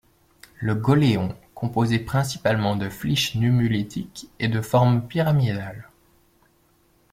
Le Goléon, composé principalement de flysch nummulitique, est de forme pyramidale.